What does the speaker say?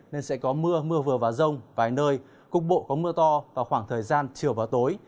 nên sẽ có mưa mưa vừa và rông vài nơi cục bộ có mưa to vào khoảng thời gian chiều và tối